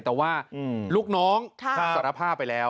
แต่ว่าลูกน้องสารภาพไปแล้ว